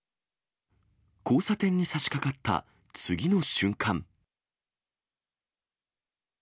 交差点にさしかかった次の瞬間。